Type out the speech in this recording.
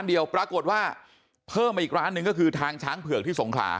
เดียวปรากฏว่าเพิ่มมาอีกร้านหนึ่งก็คือทางช้างเผือกที่สงขลา